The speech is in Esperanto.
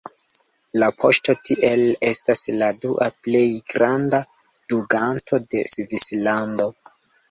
La poŝto tiel estas la dua plej granda dunganto de Svislando.